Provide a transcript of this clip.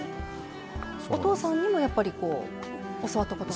お父さんにもやっぱり教わったことが？